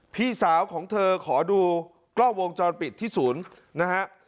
พี่สาวของเธอขอดูกล้องวงจรปิดที่ศูนย์นะฮะ